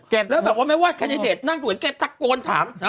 แล้วแบบว่าไม่ว่าเในเด็ดนั่งดูแลนูแกสักโกนถาม